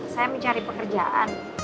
saya mencari pekerjaan